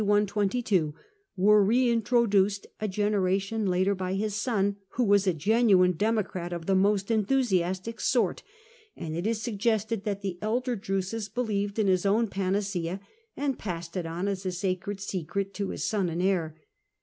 122 were reintro duced a generation later by his son, who was a genuine Democrat of the most enthusiastic sort; and it is suggested that the elder Drusus believed in his own panacea, and passed it on as a sacred secret to his son and heir.